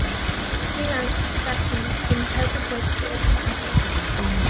He ranks second in total points scored for the Aggies.